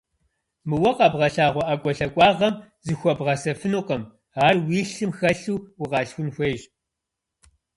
Мы уэ къэбгъэлъагъуэ ӀэкӀуэлъакӀуагъэм зыхуэбгъэсэфынукъым, ар уи лъым хэлъу укъалъхун хуейщ.